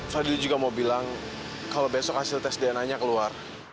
fadli juga mau bilang kalau besok hasil tes dna nya keluar